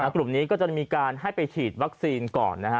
กลุ่มนี้ก็จะมีการให้ไปฉีดวัคซีนก่อนนะฮะ